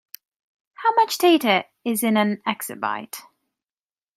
How much data is in an exabyte?